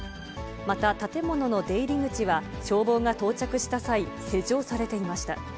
また、建物の出入り口は消防が到着した際、施錠されていました。